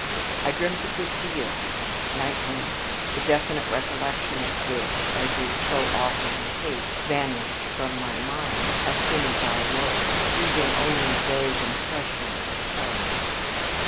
I dreamt a good deal, nightmares, the definite recollection of which, as is so often the case, vanished from my mind as soon as I awoke, leaving only a vague impression of horror.